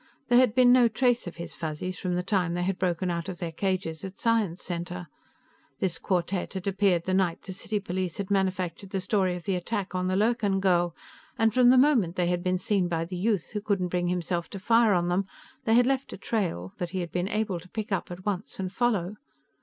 There had been no trace of his Fuzzies from the time they had broken out of their cages at Science Center. This quartet had appeared the night the city police had manufactured the story of the attack on the Lurkin girl, and from the moment they had been seen by the youth who couldn't bring himself to fire on them, they had left a trail that he had been able to pick up at once and follow.